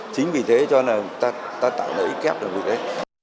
chính vì thế cho nên là ta tạo lợi ích kép được việc đấy